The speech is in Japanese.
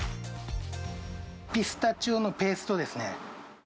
ピスタチオのペーストですね。